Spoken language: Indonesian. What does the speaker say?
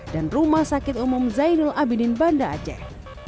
dan rumah sakit umum zainul abidin banda aceh